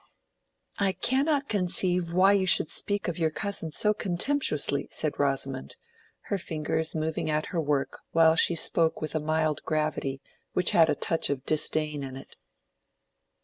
"I cannot conceive why you should speak of your cousin so contemptuously," said Rosamond, her fingers moving at her work while she spoke with a mild gravity which had a touch of disdain in it.